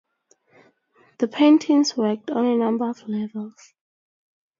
The paintings worked on a number of levels.